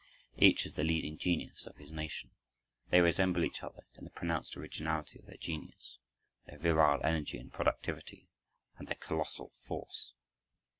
Each is the leading genius of his nation. They resemble each other in the pronounced originality of their genius, their virile energy and productivity, and their colossal force.